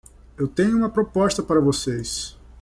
Eu tenho uma proposta para vocês.